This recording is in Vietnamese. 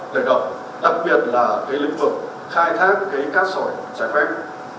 trong đó là không điều tra cơ bản phải làm rất kỹ ngạc và khẩn trương